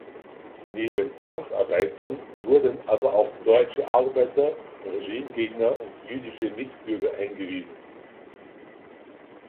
Neben Zwangsarbeitern wurden aber auch deutsche Arbeiter, Regimegegner und jüdische Mitbürger eingewiesen.